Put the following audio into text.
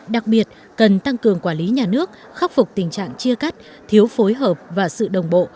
đặc biệt cần tăng cường quản lý nhà nước khắc phục tình trạng chia cắt thiếu phối hợp và sự đồng bộ